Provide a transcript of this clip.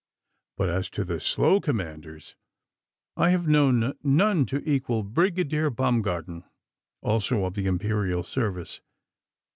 But as to the slow commanders, I have known none to equal Brigadier Baumgarten, also of the Imperial service.